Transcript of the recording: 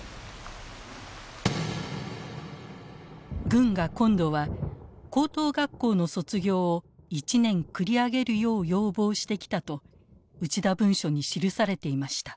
軍が今度は高等学校の卒業を１年繰り上げるよう要望してきたと「内田文書」に記されていました。